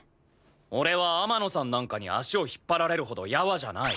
俺は天野さんなんかに足を引っ張られるほどやわじゃない。